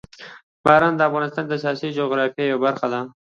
باران د افغانستان د سیاسي جغرافیه یوه برخه ده.